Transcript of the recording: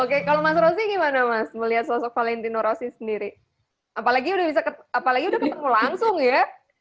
oke kalau mas rosy gimana mas melihat sosok valentino rossi sendiri apalagi udah ketemu langsung ya